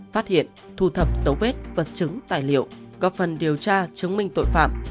phát hiện thu thập dấu vết vật chứng tài liệu có phần điều tra chứng minh tội phạm